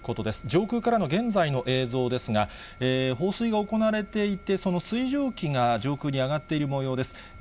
上空からの現在の映像ですが、放水が行われていて、その水蒸気が上空に上がっているもようです。